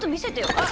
あっ！